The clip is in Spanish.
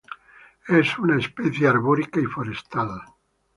Es una especie arborícola y forestal.